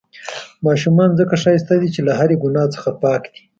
ماشومان ځڪه ښايسته دي، چې له هرې ګناه څخه پاک دي.